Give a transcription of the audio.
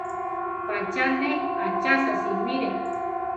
Pacha ne achasa simiré.